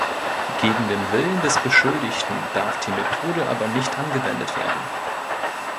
Gegen den Willen des Beschuldigten darf die Methode aber nicht angewendet werden.